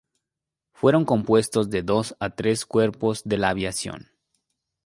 Fueron compuestos de dos a tres cuerpos de la aviación.